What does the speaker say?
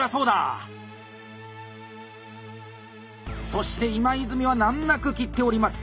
そして今泉は難なく切っております！